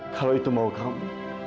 kalau itu mau kamu